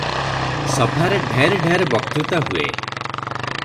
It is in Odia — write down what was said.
ସଭାରେ ଢେର ଢେର ବକ୍ତ୍ରୁତା ହୁଏ ।